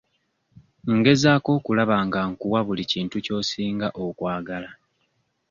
Ngezaako okulaba nga nkuwa buli kintu ky'osinga okwagala.